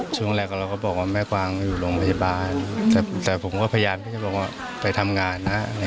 ช่วงแรกเราก็บอกว่าแม่กวางอยู่โรงพยาบาลแต่ผมก็พยายามที่จะบอกว่าไปทำงานนะ